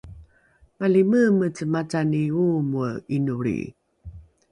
malimeemece macani oomoe ’inolri